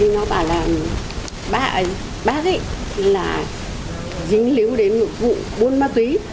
nói bà là bác ấy là dính líu đến vụ buôn ma túy